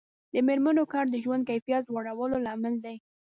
د میرمنو کار د ژوند کیفیت لوړولو لامل دی.